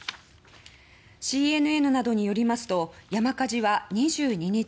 ＣＮＮなどによりますと山火事は２２日